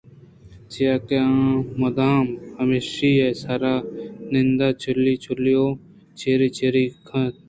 چیاکہ آ مُدام ہمیشی ءِ سرا نندان چُلی چُلی ءُ چِری چِری ئے کُت